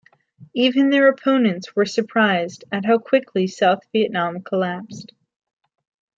Even their opponents were surprised at how quickly South Vietnam collapsed.